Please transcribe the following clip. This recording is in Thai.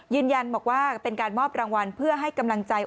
ยืนยันบอกว่าเป็นการมอบรางวัลเพื่อให้กำลังใจ